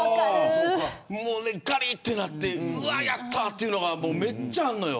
ガリッてやってうわ、やったというのがめっちゃあるんですよ。